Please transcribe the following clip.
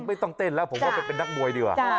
ไม่ต้องเต้นแล้วผมว่าไปเป็นนักมวยดีกว่า